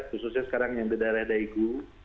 khususnya sekarang yang di daerah daegu